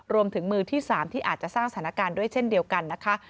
รวมถึงมือที่๓ที่อาจจะสร้างสถานการณ์ด้วยเช่นเดียวกันนะคะ